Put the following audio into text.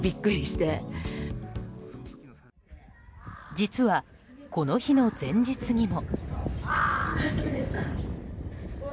実は、この日の前日にも。